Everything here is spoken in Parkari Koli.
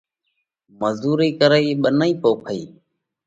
مزُورئي ڪرئِي، ٻنَئِي پوکئِي